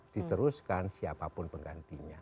diteruskan siapapun penggantinya